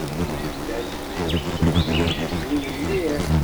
Llan ttemsegzun mliḥ.